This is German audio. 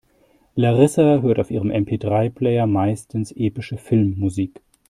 Larissa hört auf ihrem MP-drei-Player meistens epische Filmmusik.